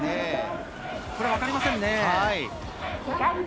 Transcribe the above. これはわかりませんね。